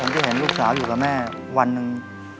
ที่เห็นลูกสาวอยู่กับแม่วันหนึ่ง